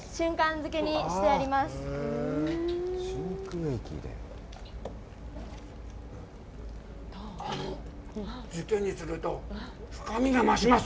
漬けにすると、深みが増します。